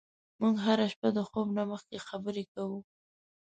موږ هره شپه د خوب نه مخکې خبرې کوو.